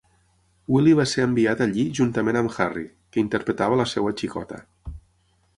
Willie va ser enviat allí juntament amb Harry, que interpretava la seva "xicota".